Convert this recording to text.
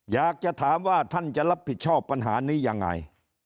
อยากจะถามว่าท่านจะรับผิดชอบปัญหานี้ยังไง